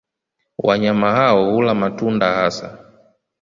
Wanyama hao hula matunda hasa.